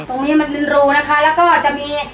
ตรงนี้มันลืนรูนะคะแล้วก็จะมี